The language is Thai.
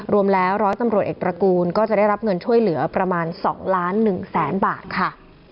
รวมแล้วร้อยตำรวจเอกตระกูลก็จะได้รับเงินช่วยเหลือประมาณ๒ล้าน๑แสนบาทค่ะ